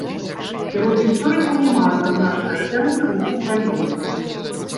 Сярод гісторыкаў няма адназначнай ацэнкі руху краёўцаў.